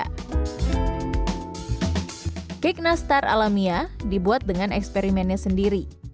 kek nastar alamiah dibuat dengan eksperimennya sendiri